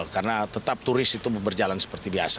karena tetap turis itu berjalan seperti biasa